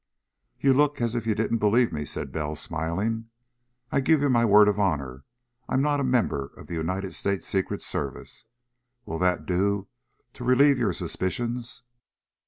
"You look as if you didn't believe me," said Bell, smiling. "I give you my word of honor I'm not a member of the United States Secret Service. Will that do to relieve your suspicions?"